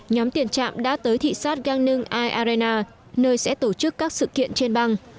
nhóm tiền trạm đã tới thị xát gangneung eye arena nơi sẽ tổ chức các sự kiện trên băng